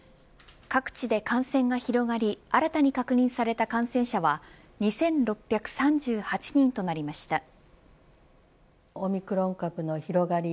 各地で感染が広がり新たに確認された感染者は２６３８人となりました。